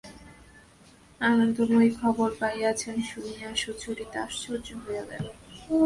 আনন্দময়ী খবর পাইয়াছেন শুনিয়া সুচরিতা আশ্চর্য হইয়া গেল।